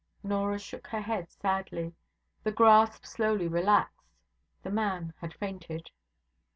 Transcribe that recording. Norah shook her head sadly. The grasp slowly relaxed. The man had fainted.